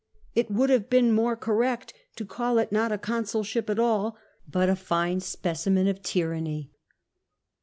It would have been more correct to call it not a consul ship at all, but a fine specimen of a tyranny.